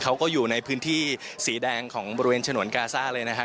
เขาก็อยู่ในพื้นที่สีแดงของบริเวณฉนวนกาซ่าเลยนะครับ